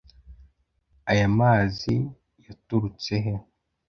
aya mazi yaturutsehe!’